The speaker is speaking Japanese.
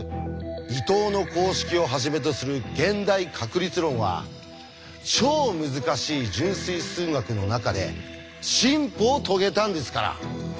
伊藤の公式をはじめとする現代確率論は超難しい純粋数学の中で進歩を遂げたんですから。